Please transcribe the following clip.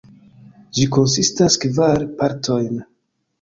Ĝi konsistas kvar partojn.